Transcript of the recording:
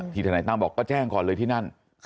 ทนายตั้มบอกก็แจ้งก่อนเลยที่นั่น